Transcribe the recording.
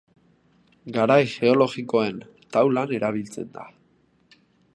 Garai geologikoen taulan erabiltzen da.